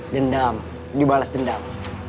dendam dibalas dendam